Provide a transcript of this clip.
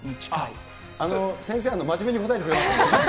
先生、真面目に答えてくれま